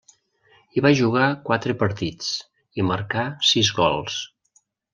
Hi va jugar quatre partits, i marcà sis gols.